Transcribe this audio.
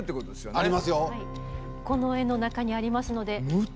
この絵の中にありますのでぜひ。